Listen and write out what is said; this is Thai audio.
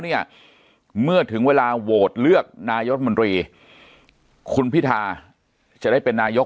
เนี่ยเมื่อถึงเวลาโหวตเลือกนายรัฐมนตรีคุณพิธาจะได้เป็นนายก